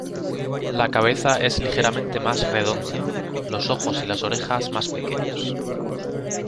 La cabeza es ligeramente más redonda, los ojos y orejas más pequeños.